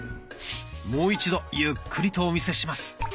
もう一度ゆっくりとお見せします。